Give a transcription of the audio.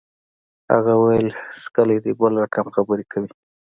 هغه ویل ښکلی دی بل رقم خبرې کوي